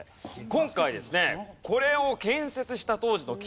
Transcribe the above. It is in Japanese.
今回ですねこれをはい。